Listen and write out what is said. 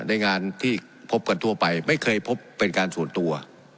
ในงานที่พบกันทั่วไปไม่เคยพบเป็นการส่วนตัว